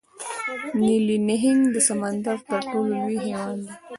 نیلي نهنګ د سمندر تر ټولو لوی حیوان دی